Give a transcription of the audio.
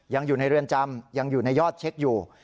ยังอยู่ในเรือนจำยังอยู่ในยอดเช็คอยู่